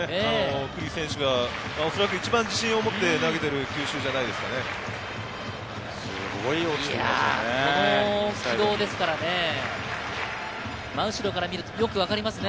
九里選手がおそらく一番自信を持って投げている球種じゃないですかね。